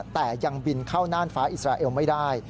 แต่ยังบินเข้าน่านฟ้าอิสราเอลไม่ได้